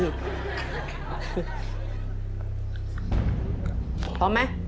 พร้อมไหมถ้าโตเพิ่มแล้วเลือกตอบตัวเลือกไหนลูก